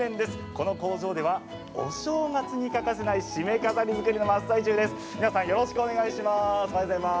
この工場ではお正月に欠かせないしめ飾り作りの真っ最中です。